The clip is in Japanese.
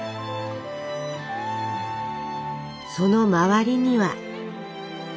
その周りには。